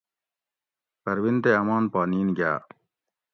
پروین تے امان پا نین گاۤ